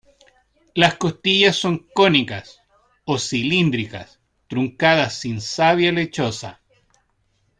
Las costillas son cónicas o cilíndricas truncadas sin savia lechosa.